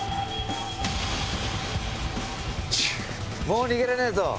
もう逃げられねえぞ！